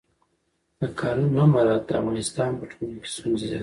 د قانون نه مراعت د افغانستان په ټولنه کې ستونزې زیاتوي